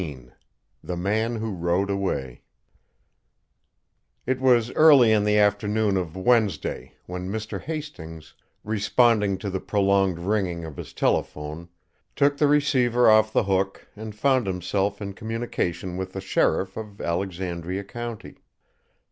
XVIII THE MAN WHO RODE AWAY It was early in the afternoon of Wednesday when Mr. Hastings, responding to the prolonged ringing of his telephone, took the receiver off the hook and found himself in communication with the sheriff of Alexandria county.